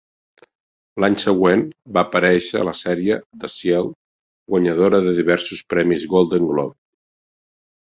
L'any següent, va aparèixer a la sèrie "The Shield", guanyadora de diversos premis Golden Globe.